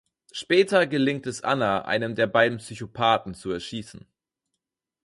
Später gelingt es Anna, einen der beiden Psychopathen zu erschießen.